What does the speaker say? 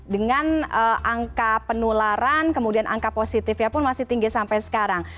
dengan angka penularan kemudian angka positifnya pun masih tinggi sampai sekarang